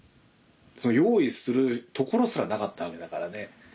その用意するところすらなかったわけだからね。